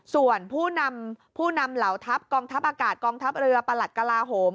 ส่วนผู้นำผู้นำเหล่าทัพกองทัพอากาศกองทัพเรือประหลัดกลาโหม